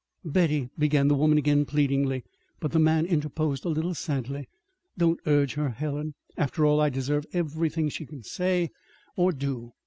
"Betty," began the woman again pleadingly. But the man interposed, a little sadly: "Don't urge her, Helen. After all, I deserve everything she can say, or do."